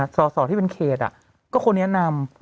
สอสอที่เป็นเขตก็คนแนะนำ